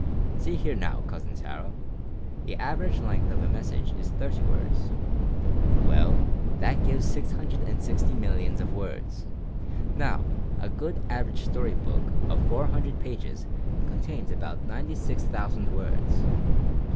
See here now, cousin Sarah. The average length of a message is thirty words. Well, that gives 660 millions of words. Now, a good average story book of 400 pages contains about ninety six thousand words.